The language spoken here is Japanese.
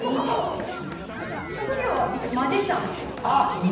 職業はマジシャンと。